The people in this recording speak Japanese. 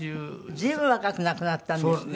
随分若く亡くなったんですね。